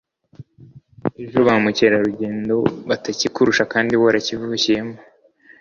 ejo ba mukerarugendo batakikurusha kandi warakivukiyemo.